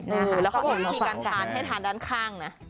คุณคะพี่กันธานให้ธานด้านข้างนะ